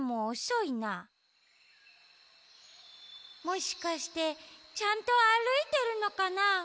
もしかしてちゃんとあるいてるのかな？